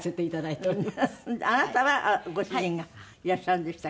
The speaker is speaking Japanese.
あなたはご主人がいらっしゃるんでしたっけ？